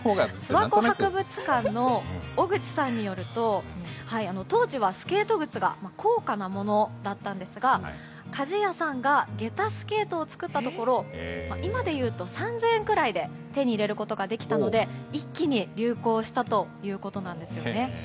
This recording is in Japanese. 博物館の方によると当時はスケート靴が高価なものだったんですが鍛冶屋さんが下駄スケートを作ったところ今でいうと３０００円くらいで手に入れることができたので一気に流行したということなんですよね。